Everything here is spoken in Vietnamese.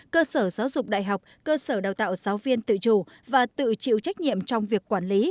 cơ sở giáo dục đại học cơ sở đào tạo giáo viên tự chủ và tự chịu trách nhiệm trong việc quản lý